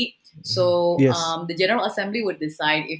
jadi pemerintah jeneral akan memutuskan